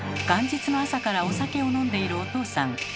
元日の朝からお酒を飲んでいるおとうさん